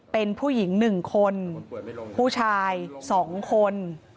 เป็นผู้หญิง๑คนผู้ชาย๒คน